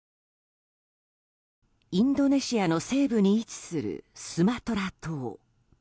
インドネシアの西部に位置するスマトラ島。